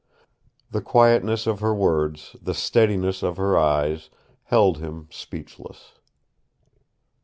The quietness of her words, the steadiness of her eyes, held him speechless.